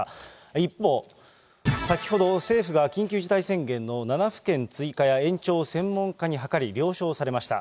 一方、先ほど政府が緊急事態宣言の７府県追加や延長を専門家に諮り、了承されました。